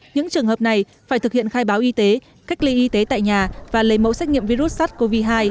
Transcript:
những trường hợp này phải thực hiện khai báo y tế cách ly y tế tại nhà và lấy mẫu xét nghiệm virus sars cov hai